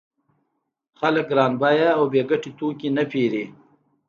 خلک ګران بیه او بې ګټې توکي نه پېري